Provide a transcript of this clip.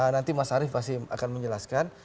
nanti mas arief pasti akan menjelaskan